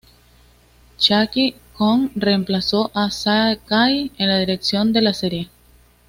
Chiaki Kon reemplazó a Sakai en la dirección de la serie.